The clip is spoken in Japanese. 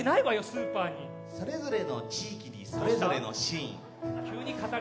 スーパーにそれぞれの地域にそれぞれのシーンどうした？